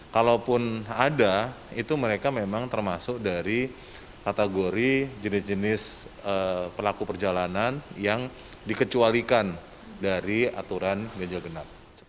kalaupun ada itu mereka memang termasuk dari kategori jenis jenis pelaku perjalanan yang dikecualikan dari aturan ganjil genap